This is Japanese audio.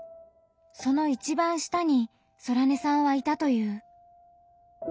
その一番下にソラネさんはいたという。